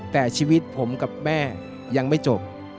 แต่ชีวิตผมกับแม่ยังไม่จบ